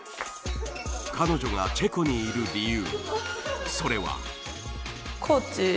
彼女がチェコにいる理由